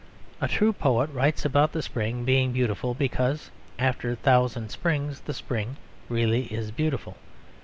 A true poet writes about the spring being beautiful because (after a thousand springs) the spring really is beautiful.